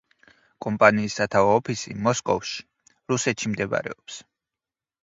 კომპანიის სათავო ოფისი მოსკოვში, რუსეთში მდებარეობს.